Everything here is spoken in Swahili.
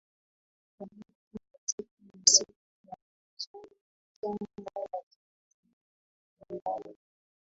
ya moto katika msitu wa Amazon ni janga la kimataifa ambalo